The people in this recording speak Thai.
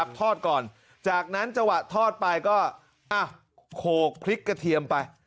พอจากนั้นเวลาทอดไปก็โขลพริกกระเทียมไป